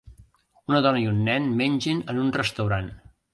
Una dona i un nen mengen en un restaurant.